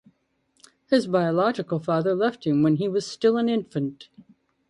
His biological father left him when he was still an infant.